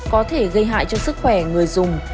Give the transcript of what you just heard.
có thể gây hại cho sức khỏe người dùng